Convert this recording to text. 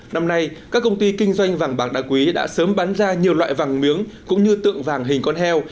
năm nay các công ty kinh doanh vàng bạc đá quý đã sớm bán ra nhiều loại vàng miếng cũng như tượng vàng hình con heo